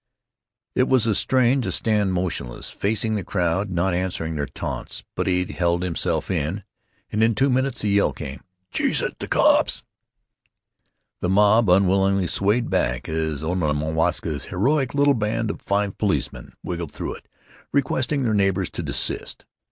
It was a strain to stand motionless, facing the crowd, not answering their taunts, but he held himself in, and in two minutes the yell came: "Cheese it! The cops!" The mob unwillingly swayed back as Onamwaska's heroic little band of five policemen wriggled through it, requesting their neighbors to desist....